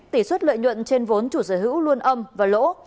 tỷ suất lợi nhuận trên vốn chủ sở hữu luôn âm và lỗ